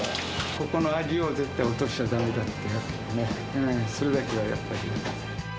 ここの味を絶対、落としちゃだめだってね、それだけはやっぱり。